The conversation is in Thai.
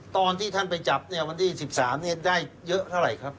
ตอนที่ท่านไปจับเนี่ยวันที่๑๓ได้เยอะเท่าไหร่ครับ